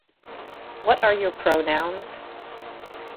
What are your pronouns?